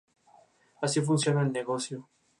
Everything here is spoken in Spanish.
Así funciona el negocio.